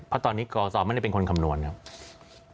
เพราะตอนนี้กรศไม่ได้เป็นคนคำนวณครับ